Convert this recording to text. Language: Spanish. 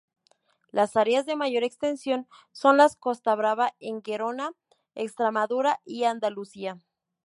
Las áreas de mayor extensión son la Costa Brava en Gerona, Extremadura y Andalucía.